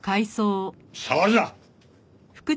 触るな！